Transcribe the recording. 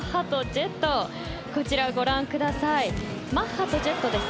マッハとジェットです。